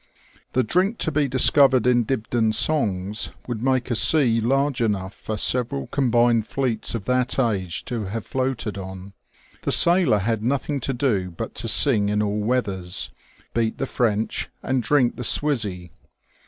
The drink to be discovered in Dibdin's songs would m«ke a sea large enough for several combined fleets of that age to have floated on. The sailor had nothing to do but to sing in all weathers, beat the French, and drink the "swizzy."